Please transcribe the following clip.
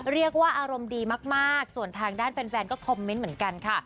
เรียกว่าอารมณ์ดีมากส่วนทางด้านแฟนก็คอมเมนต์เหมือนกันค่ะ